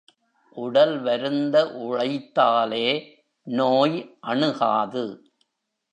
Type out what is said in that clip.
உடல் வருந்த உழைத்தாலே, நோய், அணுகாது.